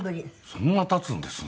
そんな経つんですね。